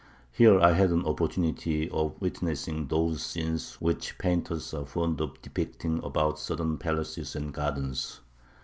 Here I had an opportunity of witnessing those scenes which painters are fond of depicting about southern palaces and gardens.